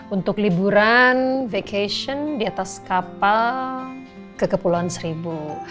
untuk liburan vacation di atas kapal ke kepulauan seribu